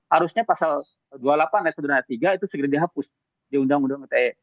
harusnya pasal dua puluh delapan ayat satu dan ayat tiga itu segera dihapus di undang undang ite